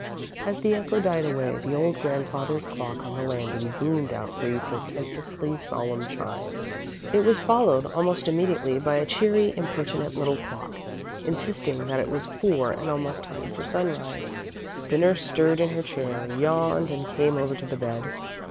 As the echo died away, the old grandfather's clock on the landing boomed out three portentously solemn chimes. It was followed almost immediately by a cheery, impertinent little clock, insisting that it was four and almost time for sunrise. The nurse stirred in her chair, yawned, and came over to the bed.